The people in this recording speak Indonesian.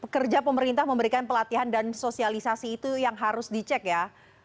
kerja pemerintah memberikan pelatihan dan sosialisasi itu yang harus dicek ya